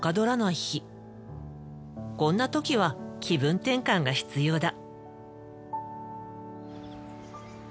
こんな時は気分転換が必要だ。